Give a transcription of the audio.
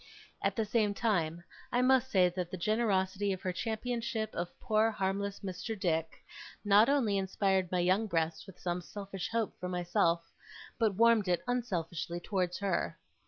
At the same time, I must say that the generosity of her championship of poor harmless Mr. Dick, not only inspired my young breast with some selfish hope for myself, but warmed it unselfishly towards her.